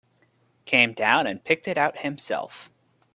Came down and picked it out himself.